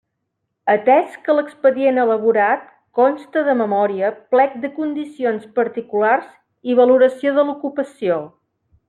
Atès que l'expedient elaborat consta de Memòria, Plec de Condicions Particulars i Valoració de l'ocupació.